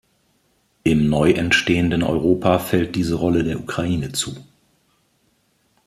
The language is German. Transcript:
Im neu entstehenden Europa fällt diese Rolle der Ukraine zu.